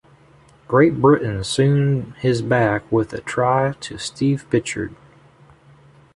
Great Britain soon his back with a try to Steve Pitchford.